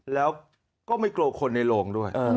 แล้วก็ไม่กลัวคนในโรงด้วย